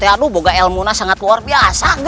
aduh boga ilmunah sangat luar biasa